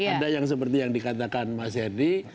ada yang seperti yang dikatakan mas herdy